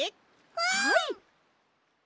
はい！